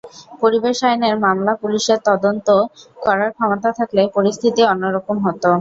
পরিবেশ আইনের মামলা পুলিশের তদন্ত করার ক্ষমতা থাকলে পরিস্থিতি অন্য রকম হতো।